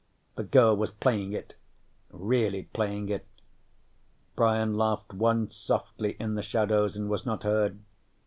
The girl was playing it. Really playing it. Brian laughed once, softly, in the shadows, and was not heard.